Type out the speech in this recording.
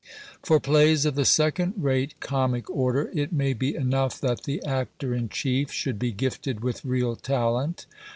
For plays of the second rate comic order it may be enough that the actor in chief should be gifted with real talent.